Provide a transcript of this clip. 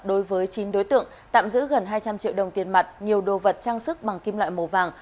đối với chín đối tượng tạm giữ gần hai trăm linh triệu đồng tiền mặt nhiều đồ vật trang sức bằng kim loại màu vàng